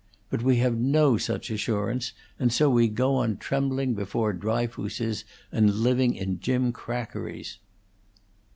But we have no such assurance, and so we go on trembling before Dryfooses and living in gimcrackeries."